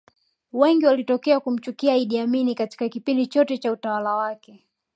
Wengi walitokea kumchukia Idd Amin Katika kipindi chote Cha utawala wake